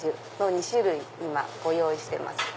２種類今ご用意してます。